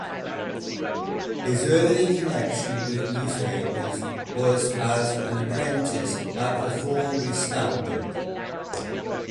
His early connection with newspapers was as an apprentice at the "Thornbury Standard".